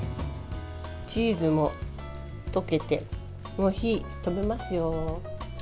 チーズも溶けてもう火を止めますよ。